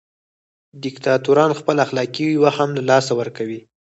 دیکتاتوران خپل اخلاقي وهم له لاسه ورکوي.